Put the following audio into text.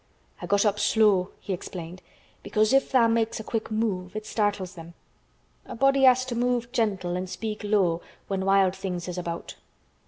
"I got up slow," he explained, "because if tha' makes a quick move it startles 'em. A body 'as to move gentle an' speak low when wild things is about."